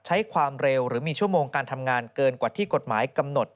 ใช้ความเร็วหรือมีชั่วโมงการทำงานเกินกว่าที่กฎหมายกำหนด